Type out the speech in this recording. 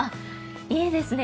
いいですね。